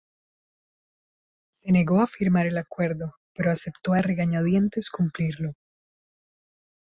Se negó a firmar el acuerdo, pero aceptó a regañadientes cumplirlo.